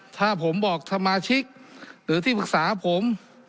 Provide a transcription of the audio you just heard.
ถ้าผมบอกสมาชิกหรือที่ปรึกษาผม